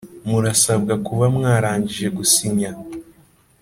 Murasabwa kuba mwarangije gusinya